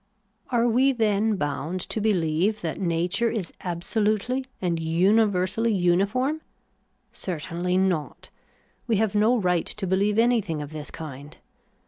Are we then bound to beheve that nature is abso lutely and universally uniform ? Certainly not ; we have no right to beheve anything of this kind.